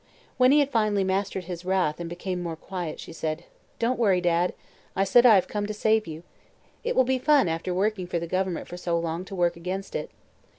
When he had finally mastered his wrath and became more quiet she said: "Don't worry, Dad. I said I have come to save you. It will be fun, after working for the Government so long, to work against it.